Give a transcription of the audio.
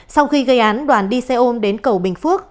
sau khi gây án đoàn đi xe ôm đến cầu bình phước